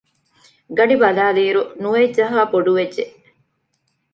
ގަޑި ބަލައިލިއިރު ނުވައެއް ޖަހާ ބޮޑުވެއްޖެ